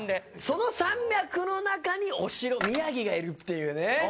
その山脈の中にお城宮城がいるっていうね。